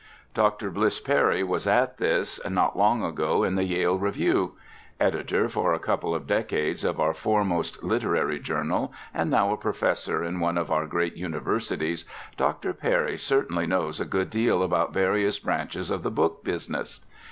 Dr. Bliss Perry was at this not long ago in the Yale Review. Editor for a couple of decades of our foremost literary journal, and now a professor in one of our great universities, Dr. Perry certainly knows a good deal about various branches of the book business.